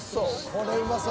これうまそう。